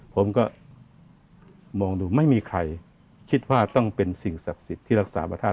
ผมก็มองดูไม่มีใครคิดว่าต้องเป็นสิ่งศักดิ์สิทธิ์ที่รักษาพระธาตุ